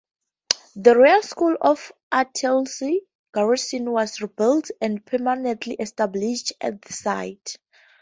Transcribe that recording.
The Royal School of Artillery's garrison was rebuilt and permanently established at the site.